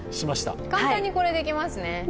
簡単にこれ、できますね。